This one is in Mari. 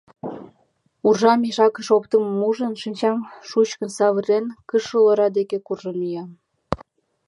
Уржам мешакыш оптымым ужын, шинчам шучкын савырен, кышыл ора деке куржын мия.